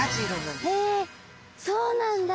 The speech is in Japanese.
そうなんだ。